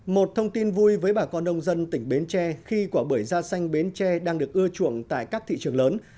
một thông tin vui với bà con nông dân tỉnh bến tre khi quả bưởi da xanh bến tre đang được ưa chuộng tại các thị trường lớn